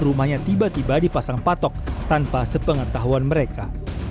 rumahnya tiba tiba dipasang patok tanpa sepengetahuan mereka